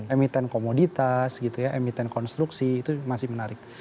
emiten komoditas gitu ya emiten konstruksi itu masih menarik